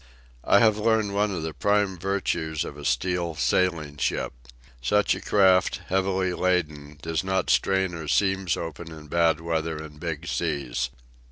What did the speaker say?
I have learned one of the prime virtues of a steel sailing ship. Such a craft, heavily laden, does not strain her seams open in bad weather and big seas.